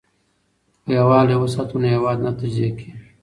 که یووالي وساتو نو هیواد نه تجزیه کیږي.